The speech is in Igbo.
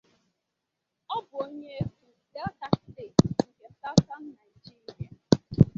Ọ bụ onye Eku, Delta steeti nke Southern Naijiria.